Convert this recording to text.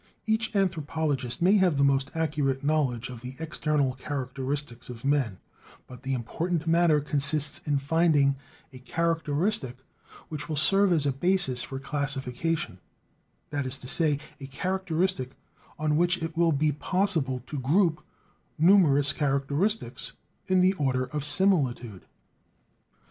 Each anthropologist may have the most accurate knowledge of the external characteristics of men; but the important matter consists in finding a characteristic which will serve as a basis for classification: that is to say, a characteristic on which it will be possible to group numerous characteristics in the order of similitude.